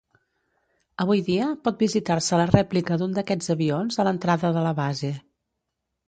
Avui dia, pot visitar-se la rèplica d'un d'aquests avions a l'entrada de la base.